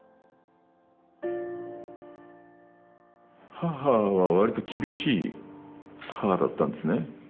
母は割と厳しい母だったんですね。